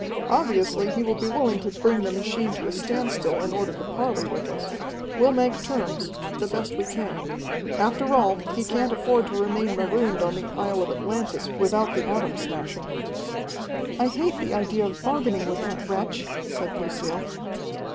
Obviously he will be willing to bring the machine to a standstill in order to parley with us. We'll make terms the best we can. After all, he can't afford to remain marooned on the isle of Atlantis without the Atom Smasher." "I hate the idea of bargaining with that wretch," said Lucille.